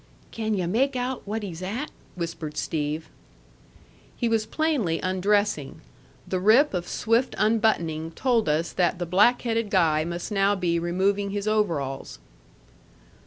"Can yu' make out what he's at?" whispered Steve. He was plainly undressing. The rip of swift unbuttoning told us that the black headed guy must now be removing his overalls.